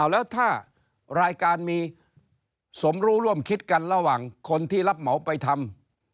แล้วถ้ารายการมีสมรู้ร่วมคิดกันระหว่างคนที่รับเหมาไปทำ